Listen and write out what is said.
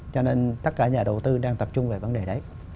cho nên tất cả nhà đầu tư đang tập trung về vấn đề đấy